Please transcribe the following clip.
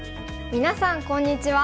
みなさんこんにちは。